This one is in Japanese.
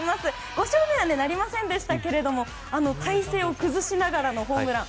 ５勝目はなりませんでしたが体勢を崩しながらのホームラン。